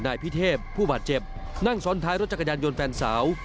นายพิเทพผู้บาดเจ็บนั่งซ้อนท้ายรถจักรยานยนต์แฟนสาว